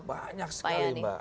banyak sekali mbak